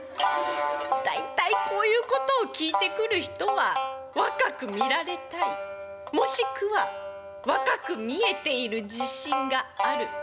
大体こういうことを聞いてくる人は若く見られたいもしくは若く見えている自信がある。